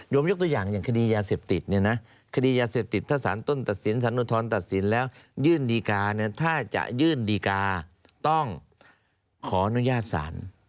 ยกตัวอย่างอย่างคดียาเสพติดเนี่ยนะคดียาเสพติดถ้าสารต้นตัดสินสารอุทธรณ์ตัดสินแล้วยื่นดีการเนี่ยถ้าจะยื่นดีการ์ต้องขออนุญาตศาล